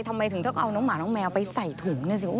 ทำไมถึงต้องเอาหนักหมาแมวไปใส่ถุงน่ะสิ